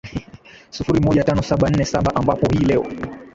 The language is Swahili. sifuri moja tano saba nne saba ambapo hii leo